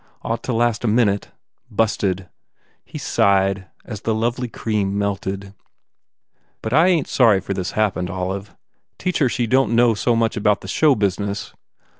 Ought to last a minute. Busted," he sighed, as the lovely cream melted. "But I ain t sorry this happened, Olive. Teach her she don t know so much about the show business.